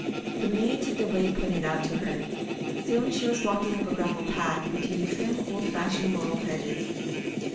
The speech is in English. The maid took the way pointed out to her. Soon she was walking up a gravel path, between trim, old fashioned laurel hedges.